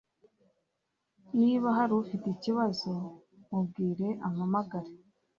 Niba hari ufite ikibazo, mubwire umpamagare.